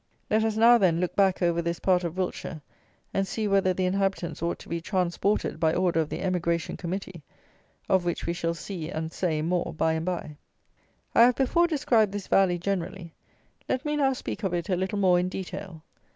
Let us now, then, look back over this part of Wiltshire, and see whether the inhabitants ought to be "transported" by order of the "Emigration Committee," of which we shall see and say more by and by. I have before described this valley generally; let me now speak of it a little more in detail.